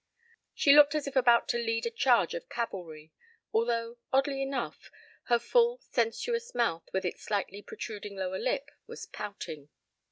She looked as if about to lead a charge of cavalry, although, oddly enough, her full sensuous mouth with its slightly protruding lower lip was pouting.